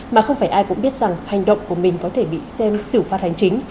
mà không phải ai cũng biết rằng hành động của mình có thể bị xem xử phạt hành chính